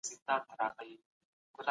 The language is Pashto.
قومي او ګوندي تعصبات باید ختم سي.